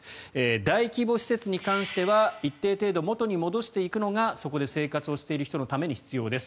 大規模施設に関しては一定程度、元に戻していくのがそこで生活をしている人のために重要です。